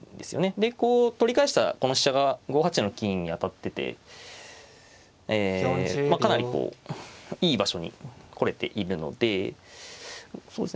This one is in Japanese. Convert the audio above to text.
でこう取り返したこの飛車が５八の金に当たっててえかなりこういい場所に来れているのでそうですね